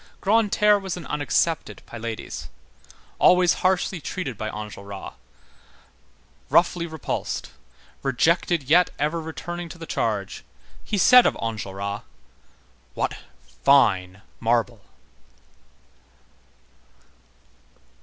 Grantaire was an unaccepted Pylades. Always harshly treated by Enjolras, roughly repulsed, rejected yet ever returning to the charge, he said of Enjolras: "What fine marble!"